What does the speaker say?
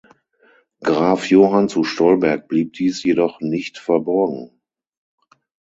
Graf Johann zu Stolberg blieb dies jedoch nicht verborgen.